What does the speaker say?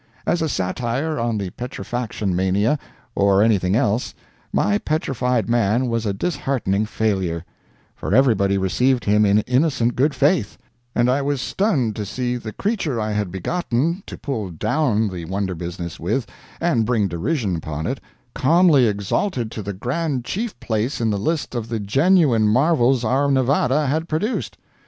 As a satire on the petrifaction mania, or anything else, my Petrified Man was a disheartening failure; for everybody received him in innocent good faith, and I was stunned to see the creature I had begotten to pull down the wonder business with, and bring derision upon it, calmly exalted to the grand chief place in the list of the genuine marvels our Nevada had produced.